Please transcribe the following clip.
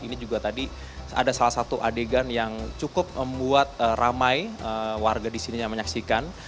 ini juga tadi ada salah satu adegan yang cukup membuat ramai warga di sini yang menyaksikan